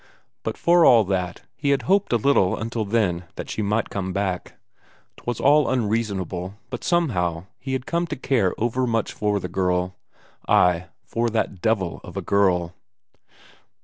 But for all that, he had hoped a little until then that she might come back. 'Twas all unreasonable, but somehow he had come to care overmuch for the girl ay, for that devil of a girl.